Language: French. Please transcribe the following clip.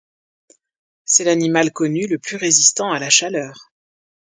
C'est l'animal connu le plus résistant à la chaleur.